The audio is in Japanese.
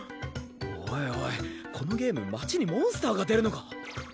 おいおいこのゲーム街にモンスターが出るのか？